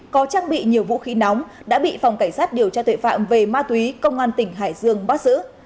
có trang bị nhiều vũ khí nóng đã bị phòng cảnh sát điều tra tội phạm về ma túy công an tỉnh hải dương bắt giữ